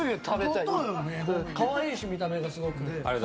可愛いし、見た目がすごく。